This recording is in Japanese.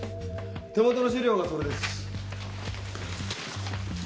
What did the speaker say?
手元の資料がそれです。